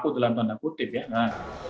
kutip kutip lantun lantun kutip ya